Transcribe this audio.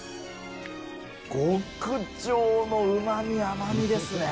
極上のうまみ、甘みですね。